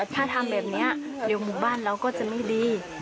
ถ้าทำแบบนี้เดี๋ยวหมู่บ้านเราก็จะไม่ดี